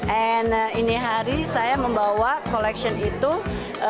dan ini hari saya membawa koleksi itu untuk spring and summer